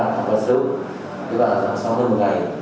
các vấn sâu nếu bà rằng sau hơn một ngày